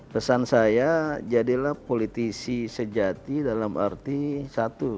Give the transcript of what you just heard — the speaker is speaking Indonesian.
pesan saya jadilah politisi sejati dalam arti satu